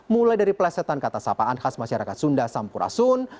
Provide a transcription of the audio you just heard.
mulai dari pelesetan kata sapaan khas masyarakat sunda sampurasun